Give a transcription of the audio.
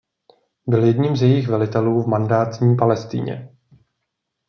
Byl jedním z jejích velitelů v mandátní Palestině.